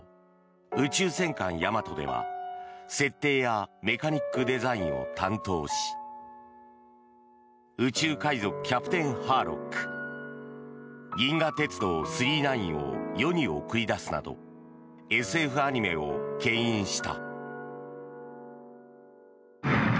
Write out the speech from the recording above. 「宇宙戦艦ヤマト」では設定やメカニックデザインを担当し「宇宙海賊キャプテンハーロック」「銀河鉄道９９９」を世に送り出すなどＳＦアニメをけん引した。